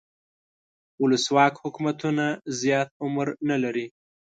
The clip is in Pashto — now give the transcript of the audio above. ولسواک حکومتونه زیات عمر نه لري.